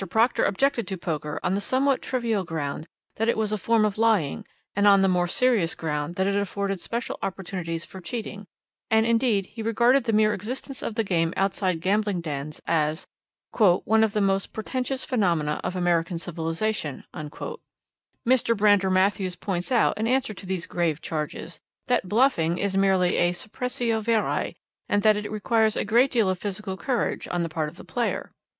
Proctor objected to Poker on the somewhat trivial ground that it was a form of lying, and on the more serious ground that it afforded special opportunities for cheating; and, indeed, he regarded the mere existence of the game outside gambling dens as 'one of the most portentous phenomena of American civilisation.' Mr. Brander Matthews points out, in answer to these grave charges, that Bluffing is merely a suppressio veri and that it requires a great deal of physical courage on the part of the player.